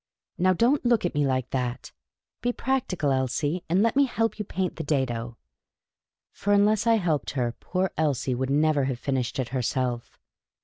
Now, don't look at me like that : be practical, Elsie, and let me help you paint the Jado." For unless I helped her, poor Elsie could never have finished it herself.